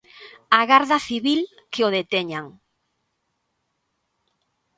A Garda Civil, que o deteñan.